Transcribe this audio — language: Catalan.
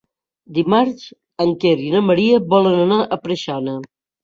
Dimarts en Quer i na Maria volen anar a Preixana.